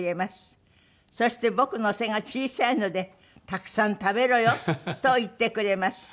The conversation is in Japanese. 「そして僕の背が小さいので“たくさん食べろよ”と言ってくれます」